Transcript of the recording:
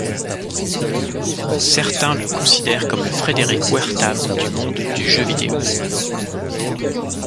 Certains le considèrent comme le Fredric Wertham du monde du jeu vidéo.